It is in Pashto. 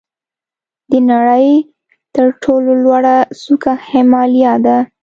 د نړۍ تر ټولو لوړه څوکه هیمالیا ده.